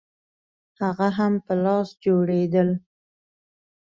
هغه هم په لاس جوړېدل